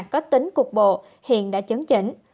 có tính cuộc bộ hiện đã chấn chỉnh